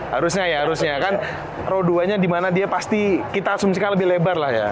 harusnya ya harusnya kan ro duanya dimana dia pasti kita asumsikan lebih lebar lah ya